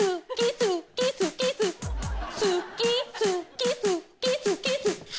スキスキスキスキスブチュ！